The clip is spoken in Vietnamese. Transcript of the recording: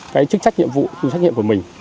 cái trách nhiệm vụ cái trách nhiệm của mình